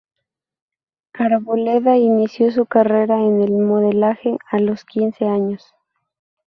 Arboleda inició su carrera en el modelaje a los quince años.